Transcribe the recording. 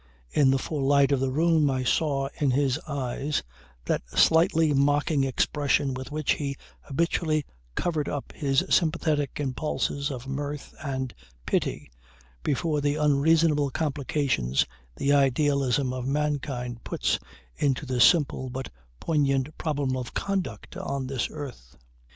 In the full light of the room I saw in his eyes that slightly mocking expression with which he habitually covers up his sympathetic impulses of mirth and pity before the unreasonable complications the idealism of mankind puts into the simple but poignant problem of conduct on this earth.